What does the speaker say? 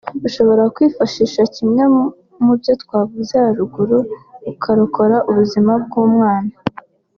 ushobora kwifashisha kimwe mu byo twavuze haruguru ukarokora ubuzima bw’umwana